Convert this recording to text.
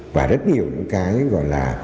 và rất nhiều những cái gọi là